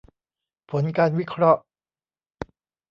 ผลการวิเคราะห์